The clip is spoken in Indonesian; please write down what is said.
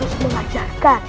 setelah melap article tersebut